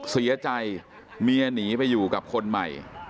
เสียใจเมียหนีไปอยู่กับคนใหม่